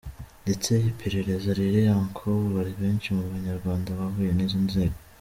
Ndetse iperereza riri en cours hari benshi mu banyarwanda bahuye n’izo nzego.